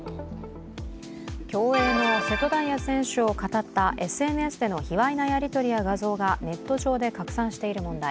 競泳の瀬戸大也選手をかたったＳＮＳでの卑わいなやり取りや画像がネット上で拡散している問題。